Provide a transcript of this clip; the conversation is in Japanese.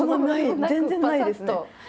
全然ないですね。